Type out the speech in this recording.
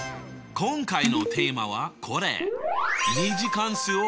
今回のテーマはこれ。